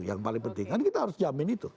yang paling penting kan kita harus jamin itu